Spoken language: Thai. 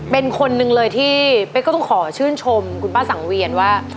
เป็นคนหนึ่งเลยที่เป๊กก็ต้องขอชื่นชมคุณป้าสังเวียนว่า